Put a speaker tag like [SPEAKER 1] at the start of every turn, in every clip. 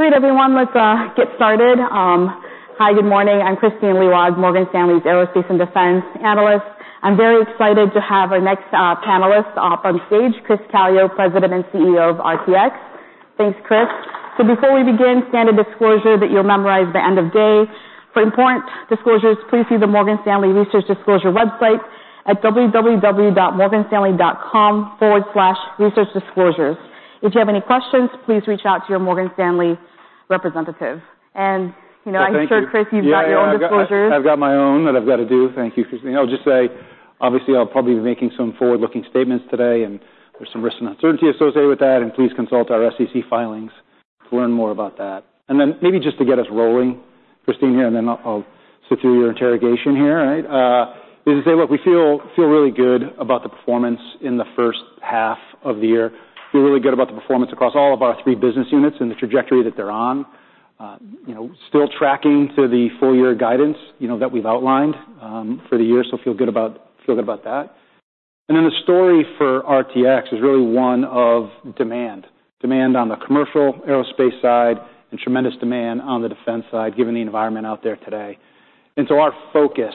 [SPEAKER 1] Great, everyone, let's get started. Hi, good morning. I'm Kristine Liwag, Morgan Stanley's Aerospace and Defense analyst. I'm very excited to have our next panelist up on stage, Chris Calio, President and CEO of RTX. Thanks, Chris. So before we begin, standard disclosure that you'll memorize at the end of day, for important disclosures, please see the Morgan Stanley Research Disclosure website at www.morganstanley.com/researchdisclosures. If you have any questions, please reach out to your Morgan Stanley representative. And, you know-
[SPEAKER 2] Thank you.
[SPEAKER 1] I'm sure, Chris, you've got your own disclosures.
[SPEAKER 2] I've got my own that I've got to do. Thank you, Kristine. I'll just say, obviously, I'll probably be making some forward-looking statements today, and there's some risk and uncertainty associated with that, and please consult our SEC filings to learn more about that. And then maybe just to get us rolling, Kristine, here, and then I'll sit through your interrogation here, right? Is to say, look, we feel really good about the performance in the first half of the year. Feel really good about the performance across all of our three business units and the trajectory that they're on. You know, still tracking through the full year guidance, you know, that we've outlined for the year, so feel good about that. And then the story for RTX is really one of demand. Demand on the commercial aerospace side and tremendous demand on the defense side, given the environment out there today, and so our focus,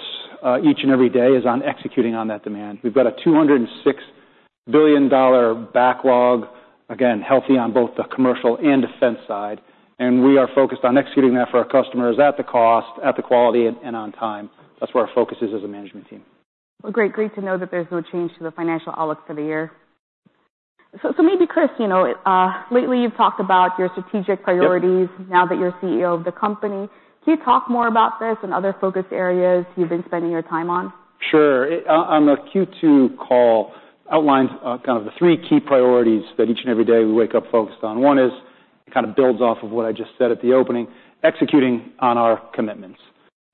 [SPEAKER 2] each and every day is on executing on that demand. We've got a $206 billion backlog, again, healthy on both the commercial and defense side, and we are focused on executing that for our customers at the cost, at the quality, and on time. That's where our focus is as a management team.
[SPEAKER 1] Great, great to know that there's no change to the financial outlook for the year. So, so maybe, Chris, you know, lately you've talked about your strategic priorities-
[SPEAKER 2] Yep.
[SPEAKER 1] Now that you're CEO of the company. Can you talk more about this and other focus areas you've been spending your time on?
[SPEAKER 2] Sure. On the Q2 call outlined kind of the three key priorities that each and every day we wake up focused on. One is, it kind of builds off of what I just said at the opening, executing on our commitments.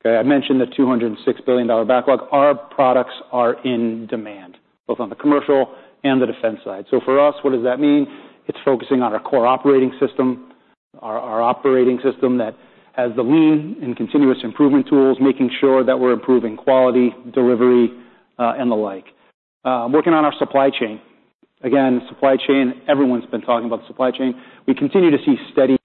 [SPEAKER 2] Okay, I mentioned the $206 billion backlog. Our products are in demand, both on the commercial and the defense side. So for us, what does that mean? It's focusing on our core operating system, our operating system that has the lean and continuous improvement tools, making sure that we're improving quality, delivery, and the like. Working on our supply chain. Again, supply chain, everyone's been talking about the supply chain. We continue to see steady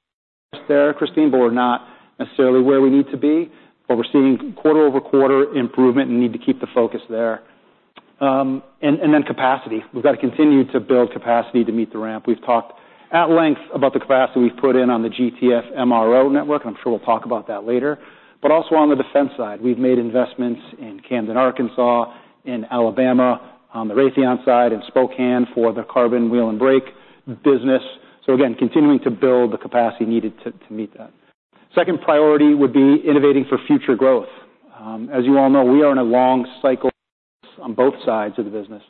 [SPEAKER 2] there, Kristine, but we're not necessarily where we need to be, but we're seeing quarter-over-quarter improvement and need to keep the focus there. And then capacity. We've got to continue to build capacity to meet the ramp. We've talked at length about the capacity we've put in on the GTF MRO network, and I'm sure we'll talk about that later. But also on the defense side, we've made investments in Camden, Arkansas, in Alabama, on the Raytheon side, in Spokane for the carbon wheel and brake business. So again, continuing to build the capacity needed to meet that. Second priority would be innovating for future growth. As you all know, we are in a long cycle on both sides of the business,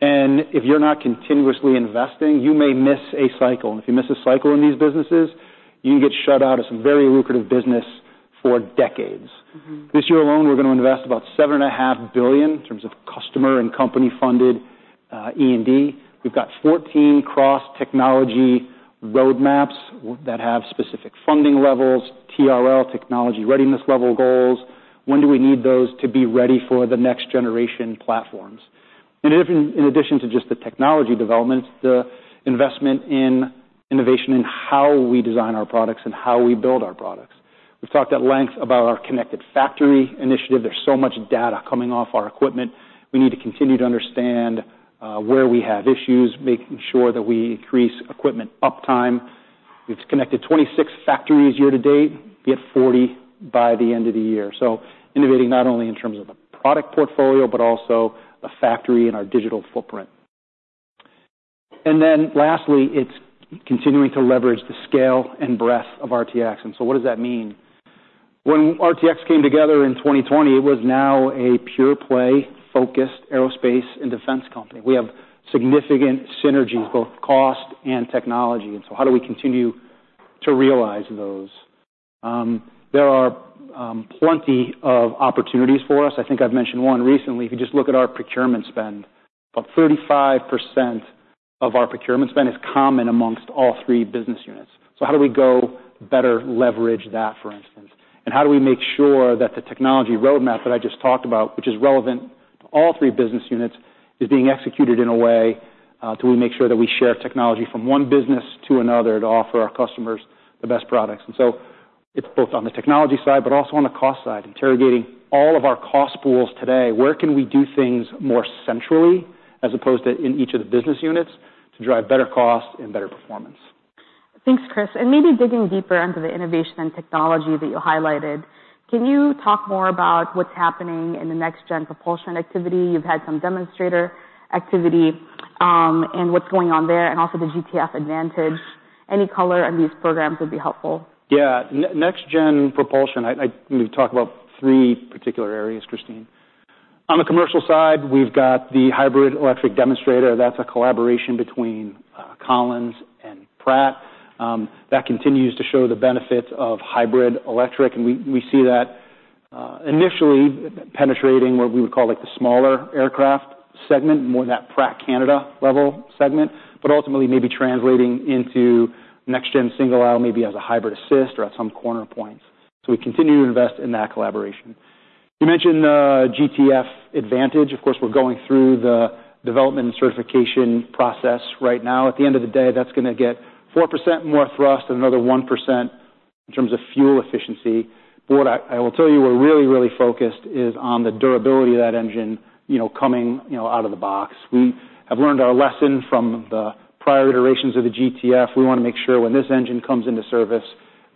[SPEAKER 2] and if you're not continuously investing, you may miss a cycle. And if you miss a cycle in these businesses, you can get shut out of some very lucrative business for decades.
[SPEAKER 1] Mm-hmm.
[SPEAKER 2] This year alone, we're going to invest about $7.5 billion in terms of customer and company-funded E and D. We've got 14 cross-technology roadmaps that have specific funding levels, TRL, technology readiness level goals. When do we need those to be ready for the next generation platforms? And in addition to just the technology developments, the investment in innovation and how we design our products and how we build our products. We've talked at length about our connected factory initiative. There's so much data coming off our equipment. We need to continue to understand where we have issues, making sure that we increase equipment uptime. We've connected 26 factories year to date; we'll be at 40 by the end of the year. So innovating not only in terms of the product portfolio, but also the factory and our digital footprint. And then lastly, it's continuing to leverage the scale and breadth of RTX. And so what does that mean? When RTX came together in 2020, it was now a pure play, focused aerospace and defense company. We have significant synergies, both cost and technology. And so how do we continue to realize those? There are plenty of opportunities for us. I think I've mentioned one recently. If you just look at our procurement spend, about 35% of our procurement spend is common amongst all three business units. So how do we go better leverage that, for instance? And how do we make sure that the technology roadmap that I just talked about, which is relevant to all three business units, is being executed in a way? Do we make sure that we share technology from one business to another to offer our customers the best products? And so it's both on the technology side, but also on the cost side, interrogating all of our cost pools today. Where can we do things more centrally, as opposed to in each of the business units, to drive better cost and better performance?
[SPEAKER 1] Thanks, Chris, and maybe digging deeper into the innovation and technology that you highlighted, can you talk more about what's happening in the next-gen propulsion activity? You've had some demonstrator activity, and what's going on there, and also the GTF Advantage. Any color on these programs would be helpful.
[SPEAKER 2] Yeah. Next-gen propulsion, let me talk about three particular areas, Kristine. On the commercial side, we've got the hybrid electric demonstrator. That's a collaboration between Collins and Pratt. That continues to show the benefits of hybrid electric, and we see that initially penetrating what we would call, like, the smaller aircraft segment, more that Pratt Canada level segment, but ultimately maybe translating into next-gen single aisle, maybe as a hybrid assist or at some corner points. So we continue to invest in that collaboration. You mentioned GTF Advantage. Of course, we're going through the development and certification process right now. At the end of the day, that's gonna get 4% more thrust and another 1% in terms of fuel efficiency. But what I will tell you, we're really, really focused is on the durability of that engine, you know, coming, you know, out of the box. We have learned our lesson from the prior iterations of the GTF. We wanna make sure when this engine comes into service,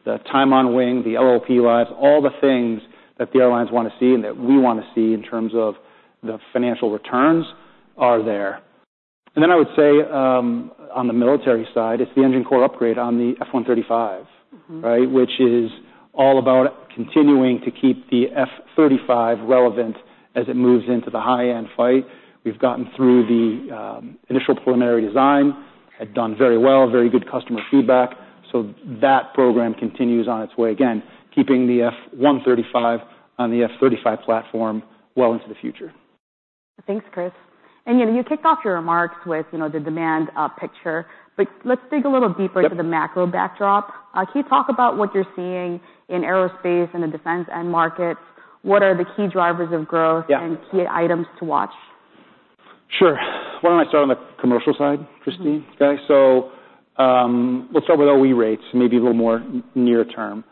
[SPEAKER 2] the time on wing, the LLP lives, all the things that the airlines wanna see and that we wanna see in terms of the financial returns are there. And then I would say, on the military side, it's the engine core upgrade on the F135, right? Which is all about continuing to keep the F-35 relevant as it moves into the high-end fight. We've gotten through the initial preliminary design, had done very well, very good customer feedback, so that program continues on its way. Again, keeping the F135 on the F-35 platform well into the future.
[SPEAKER 1] Thanks, Chris. And, you know, you kicked off your remarks with, you know, the demand picture, but let's dig a little deeper.
[SPEAKER 2] Yep.
[SPEAKER 1] To the macro backdrop. Can you talk about what you're seeing in aerospace and the defense end markets? What are the key drivers of growth-
[SPEAKER 2] Yeah.
[SPEAKER 1] and key items to watch?
[SPEAKER 2] Sure. Why don't I start on the commercial side, Kristine?
[SPEAKER 1] Mm-hmm.
[SPEAKER 2] Okay, so, let's start with our OE rates, maybe a little more near term.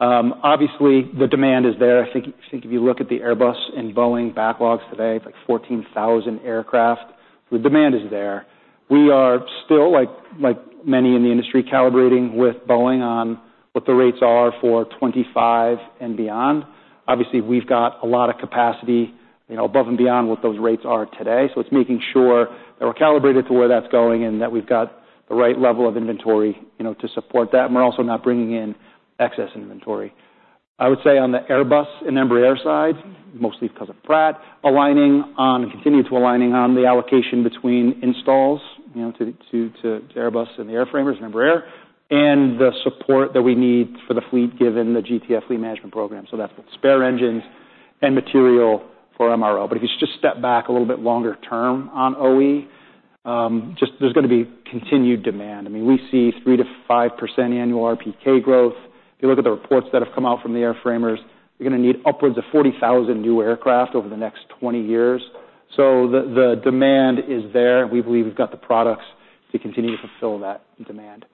[SPEAKER 2] Obviously, the demand is there. I think if you look at the Airbus and Boeing backlogs today, it's like 14,000 aircraft. The demand is there. We are still, like, like many in the industry, calibrating with Boeing on what the rates are for 2025 and beyond. Obviously, we've got a lot of capacity, you know, above and beyond what those rates are today, so it's making sure that we're calibrated to where that's going and that we've got the right level of inventory, you know, to support that, and we're also not bringing in excess inventory. I would say on the Airbus and Embraer side, mostly because of Pratt aligning on, and continuing to aligning on the allocation between installs, you know, to Airbus and the airframers, Embraer, and the support that we need for the fleet, given the GTF Fleet Management program. So that's spare engines and material for MRO. But if you just step back a little bit longer term on OE, just there's gonna be continued demand. I mean, we see 3%-5% annual RPK growth. If you look at the reports that have come out from the airframers, you're gonna need upwards of 40,000 new aircraft over the next 20 years. So the demand is there. We believe we've got the products to continue to fulfill that demand.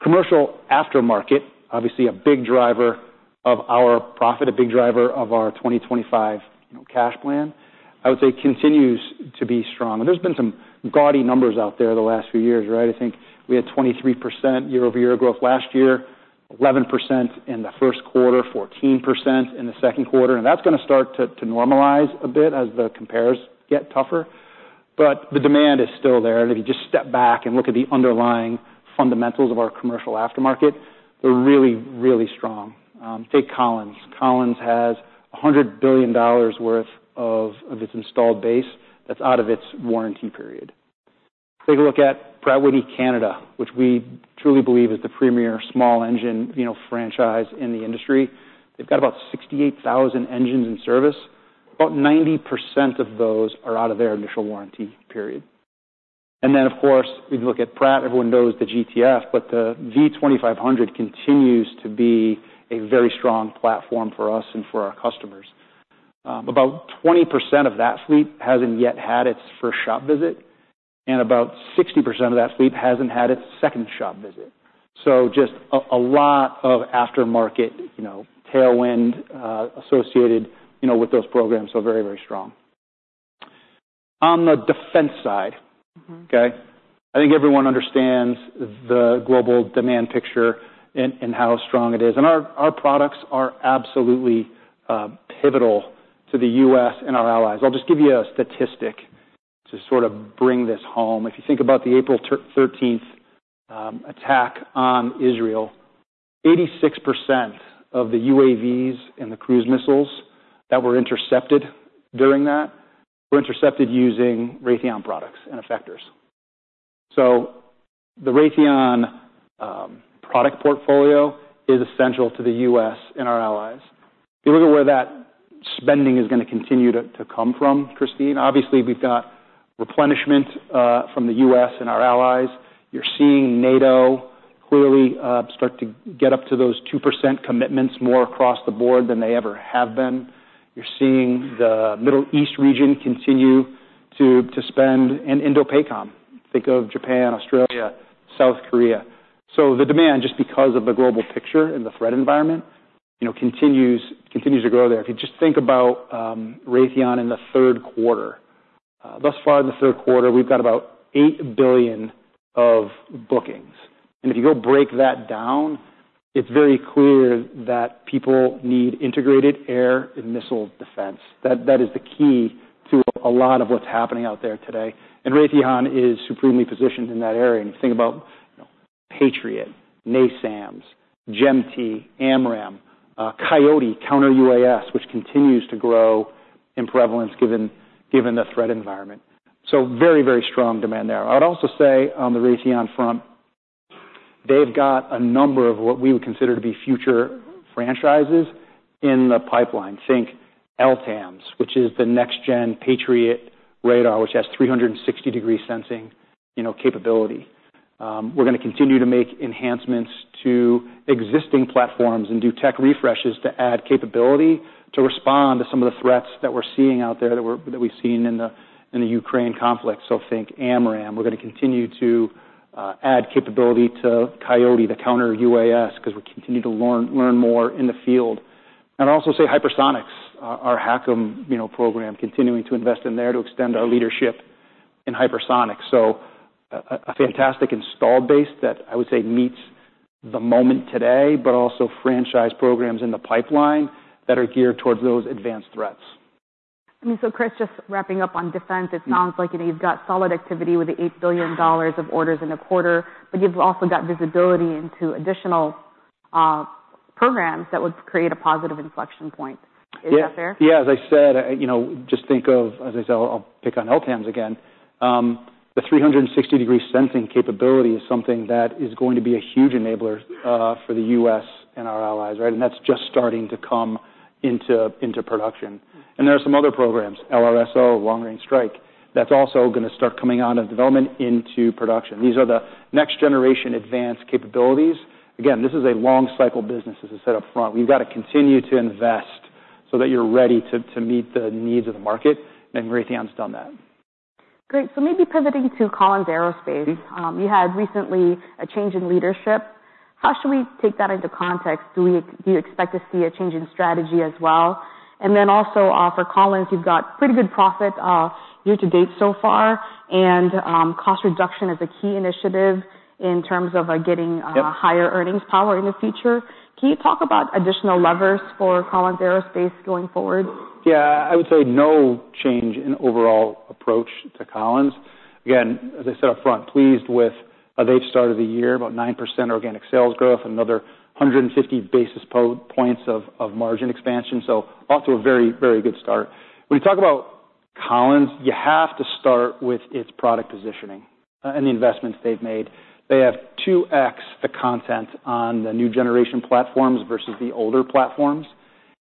[SPEAKER 2] Commercial aftermarket, obviously a big driver of our profit, a big driver of our 2025, you know, cash plan, I would say continues to be strong. And there's been some gaudy numbers out there the last few years, right? I think we had 23% year-over-year growth last year, 11% in the first quarter, 14% in the second quarter, and that's gonna start to normalize a bit as the compares get tougher. But the demand is still there, and if you just step back and look at the underlying fundamentals of our commercial aftermarket, they're really, really strong. Take Collins. Collins has $100 billion worth of its installed base that's out of its warranty period. Take a look at Pratt & Whitney Canada, which we truly believe is the premier small engine, you know, franchise in the industry. They've got about 68,000 engines in service. About 90% of those are out of their initial warranty period and then, of course, if you look at Pratt, everyone knows the GTF, but the V2500 continues to be a very strong platform for us and for our customers. About 20% of that fleet hasn't yet had its first shop visit, and about 60% of that fleet hasn't had its second shop visit, so just a lot of aftermarket, you know, tailwind, associated, you know, with those programs, so very, very strong. On the defense side-
[SPEAKER 1] Mm-hmm.
[SPEAKER 2] Okay, I think everyone understands the global demand picture and how strong it is, and our products are absolutely pivotal to the U.S. and our allies. I'll just give you a statistic to sort of bring this home. If you think about the April thirteenth attack on Israel, 86% of the UAVs and the cruise missiles that were intercepted during that were intercepted using Raytheon products and effectors. So the Raytheon product portfolio is essential to the U.S. and our allies. If you look at where that spending is gonna continue to come from, Kristine, obviously, we've got replenishment from the U.S. and our allies. You're seeing NATO clearly start to get up to those 2% commitments, more across the board than they ever have been. You're seeing the Middle East region continue to spend in Indo-PACOM, think of Japan, Australia, South Korea. So the demand, just because of the global picture and the threat environment, you know, continues to grow there. If you just think about Raytheon in the third quarter. Thus far in the third quarter, we've got about $8 billion of bookings, and if you go break that down, it's very clear that people need integrated air and missile defense. That, that is the key to a lot of what's happening out there today, and Raytheon is supremely positioned in that area. And if you think about Patriot, NASAMS, GEM-T, AMRAAM, Coyote, counter UAS, which continues to grow in prevalence, given the threat environment. So very, very strong demand there. I would also say on the Raytheon front, they've got a number of what we would consider to be future franchises in the pipeline. Think LTAMDS, which is the next-gen Patriot radar, which has 360-degree sensing, you know, capability. We're gonna continue to make enhancements to existing platforms and do tech refreshes to add capability to respond to some of the threats that we've seen in the Ukraine conflict. So think AMRAAM. We're gonna continue to add capability to Coyote, the counter UAS, 'cause we continue to learn more in the field. I'd also say hypersonics, our HACM, you know, program, continuing to invest in there to extend our leadership in hypersonic. A fantastic installed base that I would say meets the moment today, but also franchise programs in the pipeline that are geared towards those advanced threats.
[SPEAKER 1] I mean, so Chris, just wrapping up on defense, it sounds like, you know, you've got solid activity with the $8 billion of orders in a quarter, but you've also got visibility into additional programs that would create a positive inflection point.
[SPEAKER 2] Yeah.
[SPEAKER 1] Is that fair?
[SPEAKER 2] Yeah, as I said, you know, just think of—as I said, I'll pick on LTAMDS again. The 360-degree sensing capability is something that is going to be a huge enabler for the U.S. and our allies, right? That's just starting to come into production. There are some other programs, LRSO, long range stand-off, that's also gonna start coming out of development into production. These are the next generation advanced capabilities. Again, this is a long cycle business, as I said up front. We've got to continue to invest so that you're ready to meet the needs of the market, and Raytheon's done that.
[SPEAKER 1] Great. So maybe pivoting to Collins Aerospace.
[SPEAKER 2] Mm-hmm.
[SPEAKER 1] You had recently a change in leadership. How should we take that into context? Do you expect to see a change in strategy as well? And then also, for Collins, you've got pretty good profit year to date so far, and cost reduction is a key initiative in terms of getting-
[SPEAKER 2] Yep....
[SPEAKER 1] higher earnings power in the future. Can you talk about additional levers for Collins Aerospace going forward?
[SPEAKER 2] Yeah. I would say no change in overall approach to Collins. Again, as I said up front, pleased with how they've started the year, about 9% organic sales growth, another 150 basis points of margin expansion, so off to a very, very good start. When you talk about Collins, you have to start with its product positioning and the investments they've made. They have 2x the content on the new generation platforms versus the older platforms,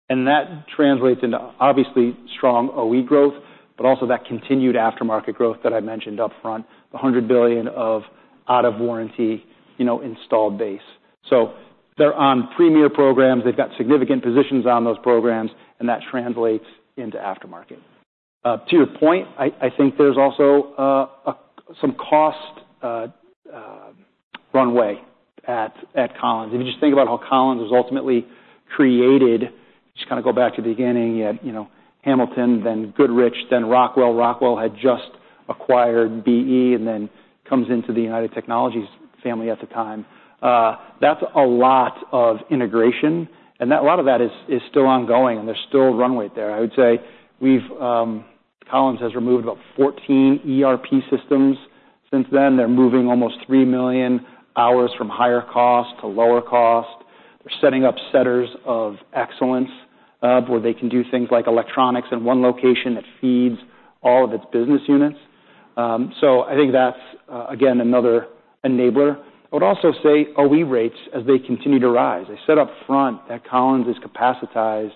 [SPEAKER 2] and that translates into, obviously, strong OE growth, but also that continued aftermarket growth that I mentioned upfront, $100 billion of out-of-warranty, you know, installed base. So they're on premier programs. They've got significant positions on those programs, and that translates into aftermarket. To your point, I think there's also some cost runway at Collins. If you just think about how Collins was ultimately created, just kind of go back to the beginning at, you know, Hamilton, then Goodrich, then Rockwell. Rockwell had just acquired B/E, and then comes into the United Technologies family at the time. That's a lot of integration, and that, a lot of that is still ongoing, and there's still runway there. I would say we've... Collins has removed about 14 ERP systems since then. They're moving almost 3 million hours from higher cost to lower cost. They're setting up centers of excellence, where they can do things like electronics in one location that feeds all of its business units. So I think that's, again, another enabler. I would also say OE rates, as they continue to rise. I said up front that Collins is capacitated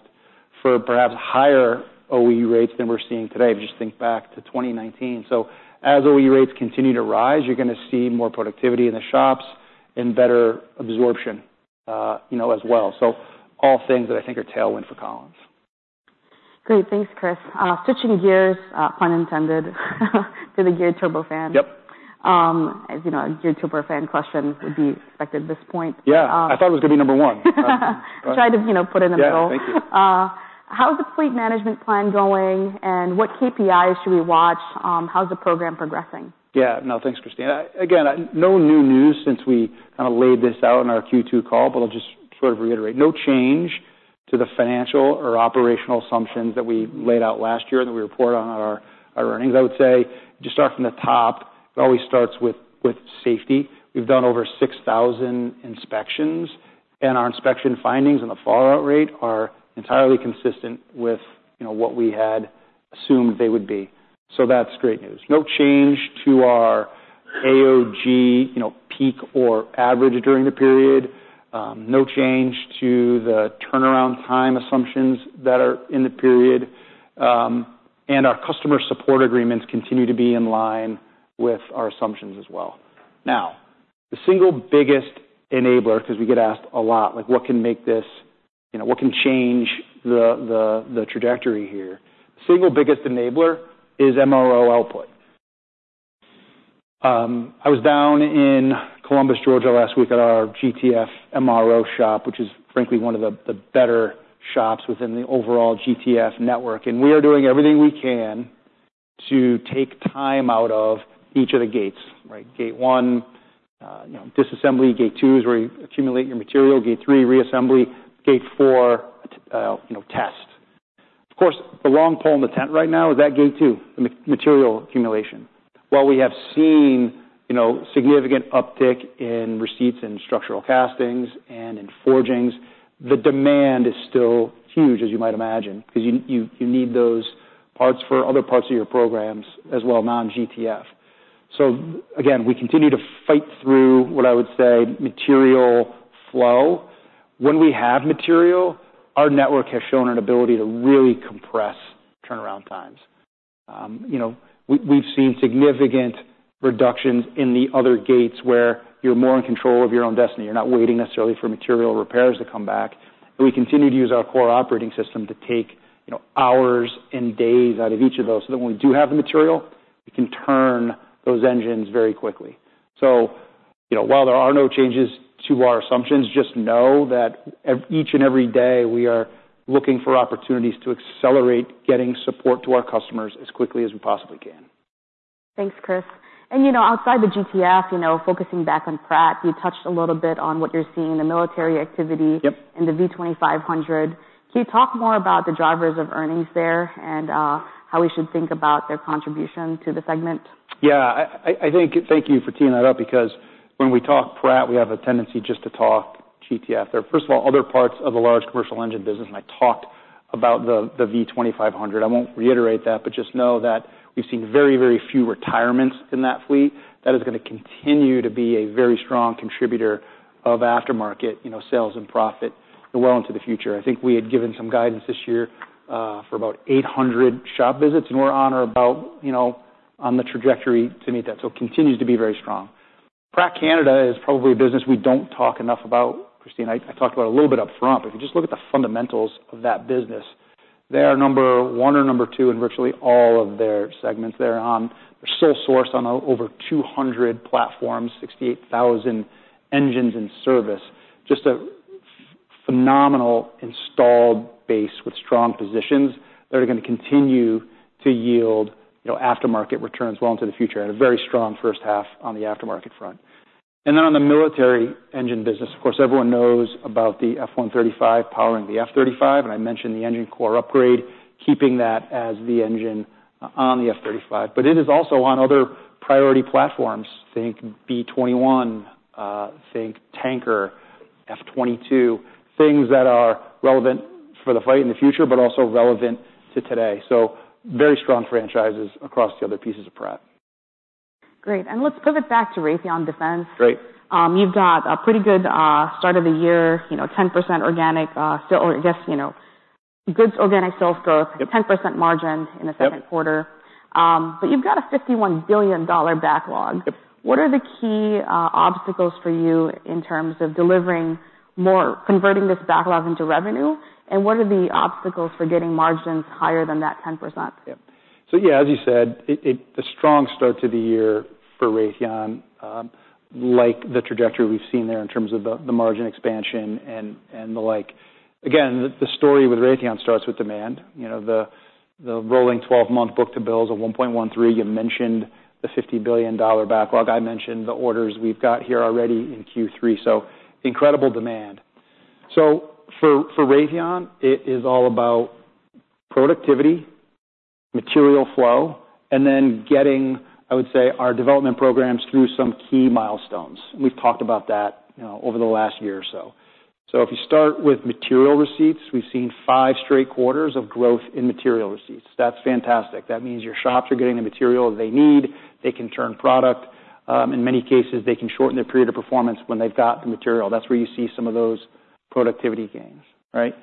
[SPEAKER 2] for perhaps higher OE rates than we're seeing today, if you just think back to 2019. So as OE rates continue to rise, you're gonna see more productivity in the shops and better absorption, you know, as well. So all things that I think are tailwind for Collins.
[SPEAKER 1] Great. Thanks, Chris. Switching gears, pun intended, to the geared turbofan.
[SPEAKER 2] Yep.
[SPEAKER 1] As you know, a geared turbofan question would be expected at this point.
[SPEAKER 2] Yeah.
[SPEAKER 1] Um-
[SPEAKER 2] I thought it was gonna be number one.
[SPEAKER 1] Tried to, you know, put it in the middle.
[SPEAKER 2] Yeah, thank you.
[SPEAKER 1] How's the fleet management plan going, and what KPIs should we watch? How's the program progressing?
[SPEAKER 2] Yeah. No, thanks, Kristine. Again, no new news since we kind of laid this out in our Q2 call, but I'll just sort of reiterate. No change to the financial or operational assumptions that we laid out last year that we report on our earnings. I would say, just start from the top, it always starts with safety. We've done over six thousand inspections, and our inspection findings and the fallout rate are entirely consistent with, you know, what we had assumed they would be. So that's great news. No change to our AOG, you know, peak or average during the period. No change to the turnaround time assumptions that are in the period. And our customer support agreements continue to be in line with our assumptions as well. Now, the single biggest enabler, because we get asked a lot, like, what can make this... You know, what can change the trajectory here? Single biggest enabler is MRO output. I was down in Columbus, Georgia, last week at our GTF MRO shop, which is frankly one of the better shops within the overall GTF network, and we are doing everything we can to take time out of each of the gates, right? Gate one, you know, disassembly. Gate two is where you accumulate your material. Gate three, reassembly. Gate four, you know, test. Of course, the long pole in the tent right now is that gate two, the material accumulation. While we have seen, you know, significant uptick in receipts in structural castings and in forgings, the demand is still huge, as you might imagine, 'cause you need those parts for other parts of your programs as well, non-GTF. So again, we continue to fight through what I would say, material flow. When we have material, our network has shown an ability to really compress turnaround times... You know, we, we've seen significant reductions in the other gates where you're more in control of your own destiny. You're not waiting necessarily for material repairs to come back, and we continue to use our core operating system to take, you know, hours and days out of each of those, so that when we do have the material, we can turn those engines very quickly. So, you know, while there are no changes to our assumptions, just know that each and every day, we are looking for opportunities to accelerate getting support to our customers as quickly as we possibly can.
[SPEAKER 1] Thanks, Chris. And you know, outside the GTF, you know, focusing back on Pratt, you touched a little bit on what you're seeing in the military activity-
[SPEAKER 2] Yep.
[SPEAKER 1] -in the V2500. Can you talk more about the drivers of earnings there and how we should think about their contribution to the segment?
[SPEAKER 2] Yeah, I thank you for teeing that up, because when we talk Pratt, we have a tendency just to talk GTF. There are, first of all, other parts of the large commercial engine business, and I talked about the V2500. I won't reiterate that, but just know that we've seen very, very few retirements in that fleet. That is gonna continue to be a very strong contributor of aftermarket, you know, sales and profit well into the future. I think we had given some guidance this year for about eight hundred shop visits, and we're on or about, you know, on the trajectory to meet that. So it continues to be very strong. Pratt Canada is probably a business we don't talk enough about, Kristine. I talked about it a little bit up front, but if you just look at the fundamentals of that business, they are number one or number two in virtually all of their segments. They're sole sourced on over 200 platforms, 68,000 engines in service. Just a phenomenal installed base with strong positions that are gonna continue to yield, you know, aftermarket returns well into the future, and a very strong first half on the aftermarket front. On the military engine business, of course, everyone knows about the F135 powering the F-35, and I mentioned the engine core upgrade, keeping that as the engine on the F-35. But it is also on other priority platforms, think B-21, think tanker, F-22, things that are relevant for the fight in the future, but also relevant to today. Very strong franchises across the other pieces of Pratt.
[SPEAKER 1] Great, and let's pivot back to Raytheon Defense.
[SPEAKER 2] Great.
[SPEAKER 1] You've got a pretty good start of the year, you know, 10% organic, still, or I guess, you know, good organic sales growth-
[SPEAKER 2] Yep.
[SPEAKER 1] 10% margin in the second quarter.
[SPEAKER 2] Yep.
[SPEAKER 1] But you've got a $51 billion backlog.
[SPEAKER 2] Yep.
[SPEAKER 1] What are the key obstacles for you in terms of delivering more, converting this backlog into revenue, and what are the obstacles for getting margins higher than that 10%?
[SPEAKER 2] So yeah, as you said, it's a strong start to the year for Raytheon, like the trajectory we've seen there in terms of the margin expansion and the like. Again, the story with Raytheon starts with demand. You know, the rolling twelve-month book to bill is 1.13. You mentioned the $50 billion backlog. I mentioned the orders we've got here already in Q3, so incredible demand. So for Raytheon, it is all about productivity, material flow, and then getting, I would say, our development programs through some key milestones. We've talked about that, you know, over the last year or so. So if you start with material receipts, we've seen five straight quarters of growth in material receipts. That's fantastic. That means your shops are getting the material they need. They can turn product. In many cases, they can shorten their period of performance when they've got the material. That's where you see some of those productivity gains, right?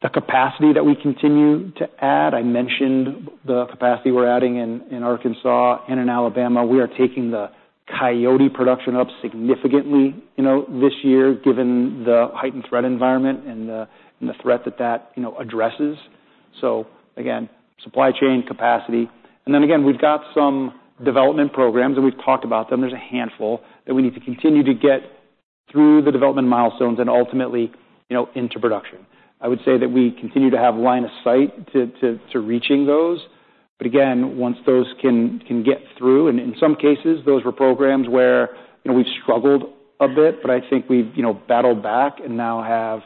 [SPEAKER 2] The capacity that we continue to add, I mentioned the capacity we're adding in Arkansas and in Alabama. We are taking the Coyote production up significantly, you know, this year, given the heightened threat environment and the threat that, you know, addresses. So again, supply chain capacity. And then again, we've got some development programs, and we've talked about them. There's a handful that we need to continue to get through the development milestones and ultimately, you know, into production. I would say that we continue to have line of sight to reaching those. But again, once those can get through, and in some cases, those were programs where, you know, we've struggled a bit, but I think we've, you know, battled back and now have,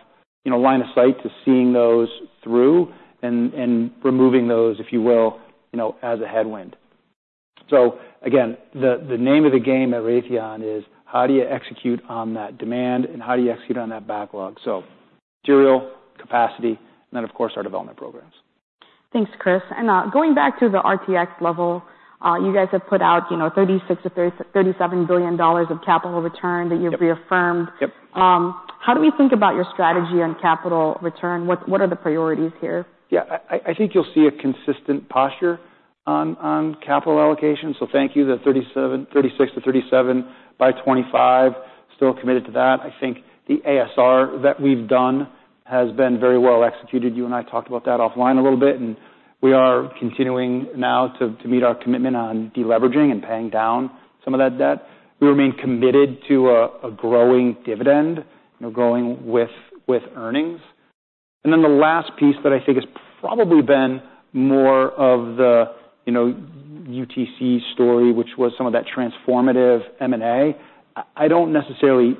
[SPEAKER 2] you know, line of sight to seeing those through and removing those, if you will, you know, as a headwind. So again, the name of the game at Raytheon is: How do you execute on that demand, and how do you execute on that backlog? So material, capacity, and then, of course, our development programs.
[SPEAKER 1] Thanks, Chris, and going back to the RTX level, you guys have put out, you know, $36 billion-$37 billion of capital return that you've reaffirmed.
[SPEAKER 2] Yep.
[SPEAKER 1] How do we think about your strategy on capital return? What are the priorities here?
[SPEAKER 2] Yeah, I think you'll see a consistent posture on capital allocation, so thank you. The 36-37 by 2025, still committed to that. I think the ASR that we've done has been very well executed. You and I talked about that offline a little bit, and we are continuing now to meet our commitment on deleveraging and paying down some of that debt. We remain committed to a growing dividend, you know, growing with earnings. And then the last piece that I think has probably been more of the, you know, UTC story, which was some of that transformative M&A, I don't necessarily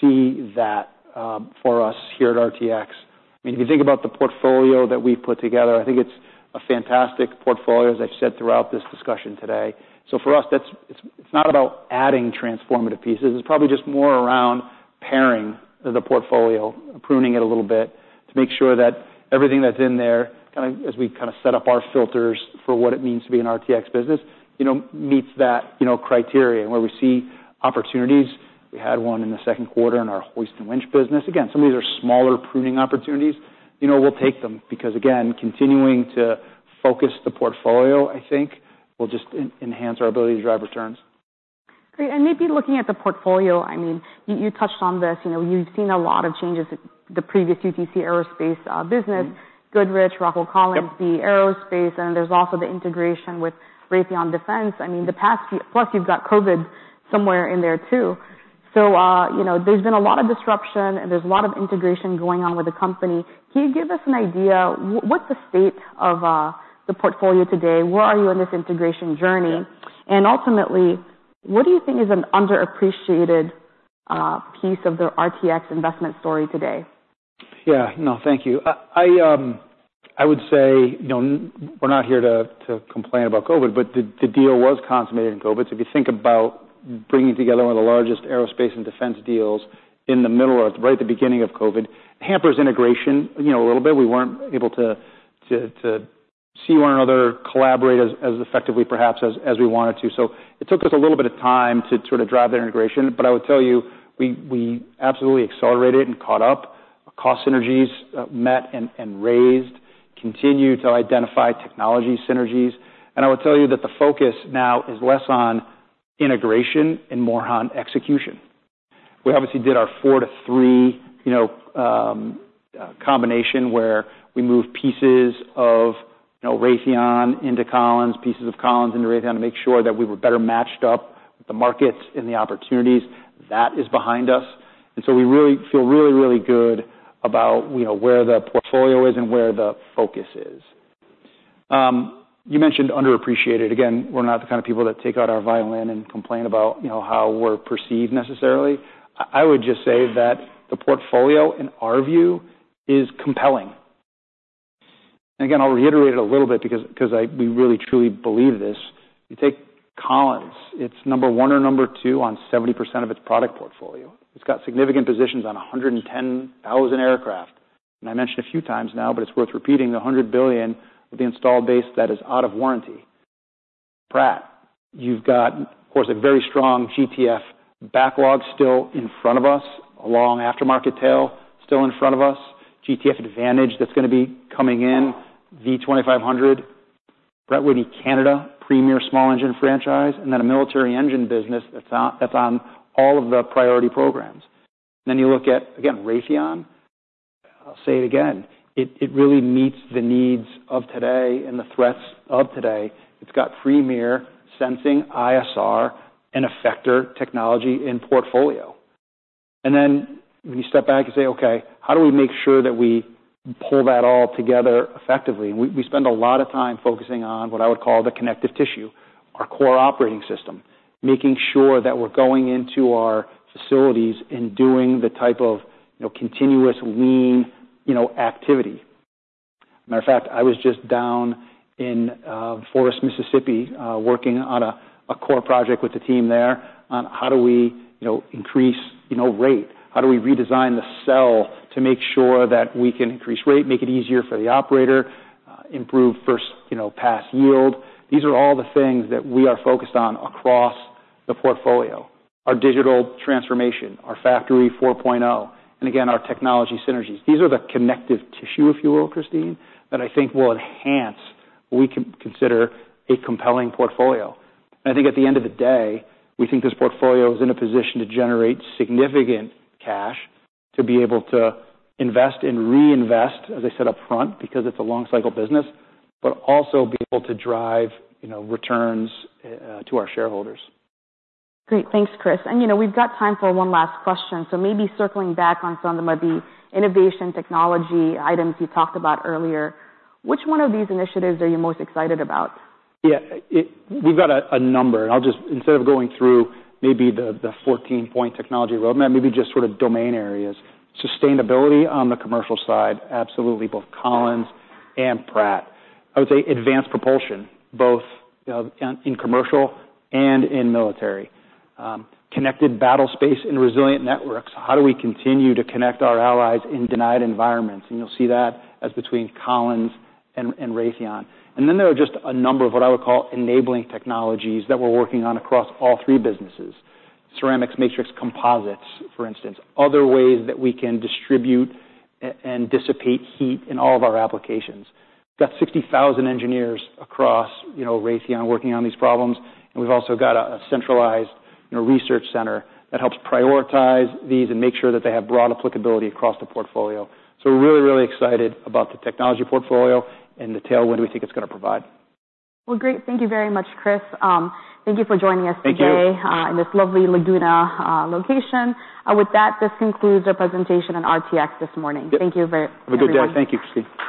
[SPEAKER 2] see that for us here at RTX. I mean, if you think about the portfolio that we've put together, I think it's a fantastic portfolio, as I've said throughout this discussion today. So for us, that's... It's not about adding transformative pieces. It's probably just more around paring the portfolio, pruning it a little bit, to make sure that everything that's in there, kind of, as we kind of set up our filters for what it means to be an RTX business, you know, meets that, you know, criteria, and where we see opportunities. We had one in the second quarter in our hoist and winch business. Again, some of these are smaller pruning opportunities. You know, we'll take them because, again, continuing to focus the portfolio, I think, will just enhance our ability to drive returns.
[SPEAKER 1] Great. And maybe looking at the portfolio, I mean, you touched on this. You know, you've seen a lot of changes, the previous UTC Aerospace business, Goodrich, Rockwell Collins-
[SPEAKER 2] Yep.
[SPEAKER 1] The aerospace, and there's also the integration with Raytheon Defense. I mean, the past plus you've got COVID somewhere in there, too. So, you know, there's been a lot of disruption, and there's a lot of integration going on with the company. Can you give us an idea, what's the state of the portfolio today? Where are you in this integration journey?
[SPEAKER 2] Yeah.
[SPEAKER 1] Ultimately, what do you think is an underappreciated piece of the RTX investment story today?
[SPEAKER 2] Yeah, no, thank you. I would say, you know, we're not here to complain about COVID, but the deal was consummated in COVID. So if you think about bringing together one of the largest aerospace and defense deals in the middle of, right at the beginning of COVID, it hampers integration, you know, a little bit. We weren't able to see one another, collaborate as effectively perhaps as we wanted to. So it took us a little bit of time to sort of drive the integration. But I would tell you, we absolutely accelerated and caught up. Cost synergies met and raised, continue to identify technology synergies. And I would tell you that the focus now is less on integration and more on execution. We obviously did our four to three, you know, combination, where we moved pieces of, you know, Raytheon into Collins, pieces of Collins into Raytheon to make sure that we were better matched up with the markets and the opportunities. That is behind us, and so we really feel really, really good about, you know, where the portfolio is and where the focus is. You mentioned underappreciated. Again, we're not the kind of people that take out our violin and complain about, you know, how we're perceived necessarily. I would just say that the portfolio, in our view, is compelling. Again, I'll reiterate it a little bit because we really truly believe this. You take Collins. It's number one or number two on 70% of its product portfolio. It's got significant positions on 110,000 aircraft. And I mentioned a few times now, but it's worth repeating, $100 billion with the installed base that is out of warranty. Pratt, you've got, of course, a very strong GTF backlog still in front of us, a long aftermarket tail still in front of us, GTF Advantage that's gonna be coming in, the V-2500. Pratt & Whitney Canada, premier small engine franchise, and then a military engine business that's on, that's on all of the priority programs. Then you look at, again, Raytheon. I'll say it again, it, it really meets the needs of today and the threats of today. It's got premier sensing, ISR, and effector technology in portfolio. Then when you step back and say, "Okay, how do we make sure that we pull that all together effectively?" We spend a lot of time focusing on what I would call the connective tissue, our core operating system, making sure that we're going into our facilities and doing the type of, you know, continuous lean, you know, activity. Matter of fact, I was just down in Forest, Mississippi, working on a core project with the team there on how do we, you know, increase, you know, rate? How do we redesign the cell to make sure that we can increase rate, make it easier for the operator, improve first, you know, pass yield? These are all the things that we are focused on across the portfolio: our digital transformation, our Factory 4.0, and again, our technology synergies. These are the connective tissue, if you will, Kristine, that I think will enhance what we consider a compelling portfolio, and I think at the end of the day, we think this portfolio is in a position to generate significant cash to be able to invest and reinvest, as I said up front, because it's a long cycle business, but also be able to drive, you know, returns to our shareholders.
[SPEAKER 1] Great. Thanks, Chris. And, you know, we've got time for one last question. So maybe circling back on some of the innovation technology items you talked about earlier, which one of these initiatives are you most excited about?
[SPEAKER 2] Yeah, we've got a number, and I'll just... Instead of going through maybe the 14-point technology roadmap, maybe just sort of domain areas: sustainability on the commercial side, absolutely, both Collins and Pratt. I would say advanced propulsion, both in commercial and in military, connected battlespace and resilient networks. How do we continue to connect our allies in denied environments, and you'll see that as between Collins and Raytheon, and then there are just a number of what I would call enabling technologies that we're working on across all three businesses: ceramic matrix composites, for instance, other ways that we can distribute and dissipate heat in all of our applications. We've got sixty thousand engineers across, you know, Raytheon working on these problems, and we've also got a centralized, you know, research center that helps prioritize these and make sure that they have broad applicability across the portfolio. So we're really, really excited about the technology portfolio and the tailwind we think it's gonna provide.
[SPEAKER 1] Well, great. Thank you very much, Chris. Thank you for joining us today.
[SPEAKER 2] Thank you.
[SPEAKER 1] In this lovely Laguna, location. With that, this concludes the presentation on RTX this morning.
[SPEAKER 2] Yep.
[SPEAKER 1] Thank you, everyone.
[SPEAKER 2] Have a good day. Thank you, Kristine.